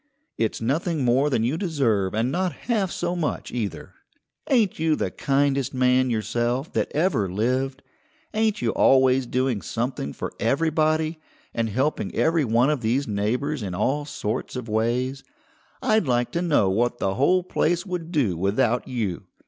It's nothing more than you deserve and not half so much either. Ain't you the kindest man yourself that ever lived? Ain't you always doing something for everybody, and helping every one of these neighbours in all sorts of ways? I'd like to know what the whole place would do without you!